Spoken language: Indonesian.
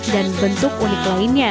dan bentuk unik lainnya